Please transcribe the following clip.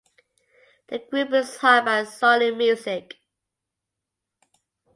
The group is hired by Sony Music.